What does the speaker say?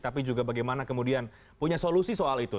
tapi juga bagaimana kemudian punya solusi soal itu